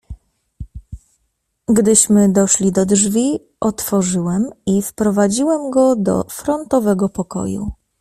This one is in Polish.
"Gdyśmy doszli do drzwi, otworzyłem i wprowadziłem go do frontowego pokoju."